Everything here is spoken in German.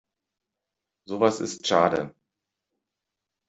Sowas ist schade.